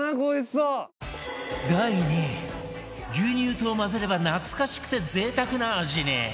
第２位牛乳と混ぜれば懐かしくて贅沢な味に